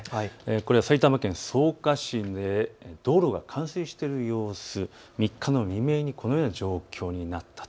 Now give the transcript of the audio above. これは埼玉県草加市、道路が冠水している様子、３日の未明にこのような状況になったと。